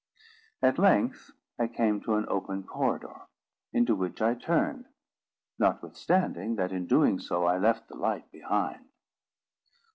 At length I came to an open corridor, into which I turned; notwithstanding that, in doing so, I left the light behind.